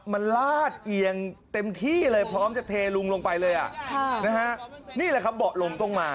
มันลาดเอียงเต็มที่เลยพร้อมจะเทลุงลงไปเลยอ่ะค่ะนะฮะนี่แหละครับเบาะลมต้องมา